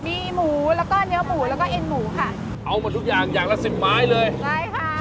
มีหมูแล้วก็เนื้อหมูแล้วก็เอ็นหมูค่ะเอามาทุกอย่างอย่างละสิบไม้เลยใช่ค่ะ